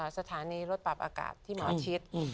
สถานีรถปรับอากาศที่หมอชิด